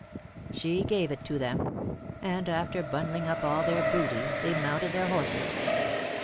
She gave it to them; and after bundling up all their booty, they mounted their horses.